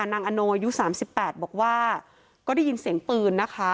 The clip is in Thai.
อโนอายุ๓๘บอกว่าก็ได้ยินเสียงปืนนะคะ